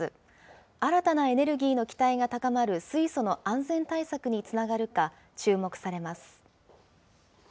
新たなエネルギーの期待が高まる水素の安全対策につながるか、注目されます。